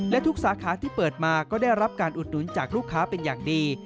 และทุกสาขาที่เปิดมาก็ได้รับการอุดหนุนจากลูกค้าเป็นอย่างดี